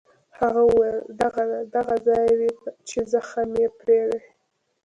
هغه وویل: دغه ده، دغه ځای دی چې زخم یې پرې دی.